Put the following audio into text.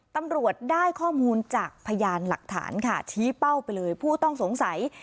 ตำรวจได้ข้อมูลจากพยานหลักฐานค่ะชี้เป้าไปเลยผู้ต้องสงสัย